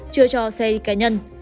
chưa cho xe cá nhân